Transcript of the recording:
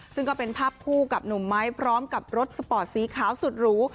ซึ่งก็เป็นภาพคู่กับหนุ่มไม้พร้อมกับรถสปอร์ตสีขาวสุดหรู